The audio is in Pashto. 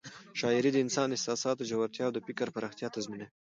شاعري د انسان د احساساتو ژورتیا او د فکر پراختیا تضمینوي.